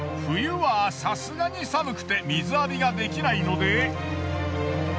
冬はさすがに寒くて水浴びができないので。